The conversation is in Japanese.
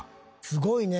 すごいね。